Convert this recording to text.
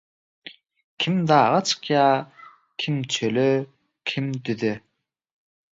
Kim daga çykýar, kim çöle, kim düze.